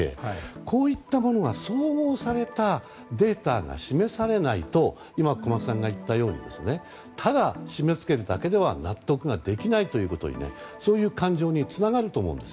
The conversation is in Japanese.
こういったものが総合されたデータが示されないと今、小松さんが言ったようにただ、締め付けるだけでは納得できないというそういう感情につながると思うんです。